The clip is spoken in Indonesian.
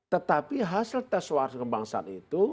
tetapi hasil tes wawasan kebangsaan itu